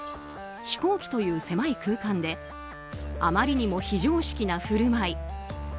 飛行機という狭い空間であまりにも非常識なふるまい。